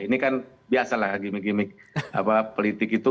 ini kan biasalah gimik gimik politik itu